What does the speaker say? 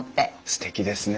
すてきですね。